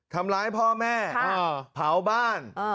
ทำร้ายพ่อแม่ค่ะเอ่อเผาบ้านเอ่อ